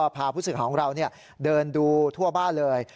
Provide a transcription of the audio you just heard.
พาผู้สื่อของเราเดินดูทั่วบ้านเลย